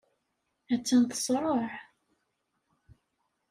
Attan teṣreɛ.